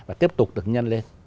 và tiếp tục tự nhân lên